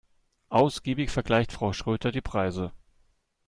Ausgiebig vergleicht Frau Schröter die Preise.